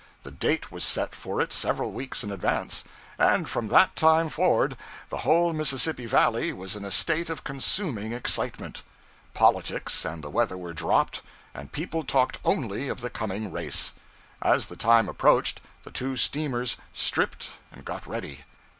The date was set for it several weeks in advance, and from that time forward, the whole Mississippi Valley was in a state of consuming excitement. Politics and the weather were dropped, and people talked only of the coming race. As the time approached, the two steamers 'stripped' and got ready.